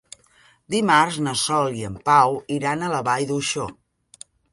Dimarts na Sol i en Pau iran a la Vall d'Uixó.